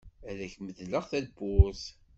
Ad ak-medleɣ tawwurt.